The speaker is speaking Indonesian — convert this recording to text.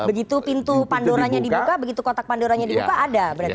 begitu pintu pandoranya dibuka begitu kotak pandoranya dibuka ada berarti